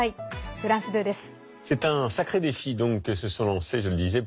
フランス２です。